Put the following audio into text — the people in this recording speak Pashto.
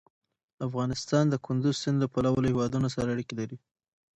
افغانستان د کندز سیند له پلوه له هېوادونو سره اړیکې لري.